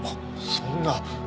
そんな。